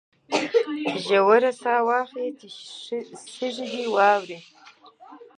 ژوره ساه واخله چې سږي دي واورم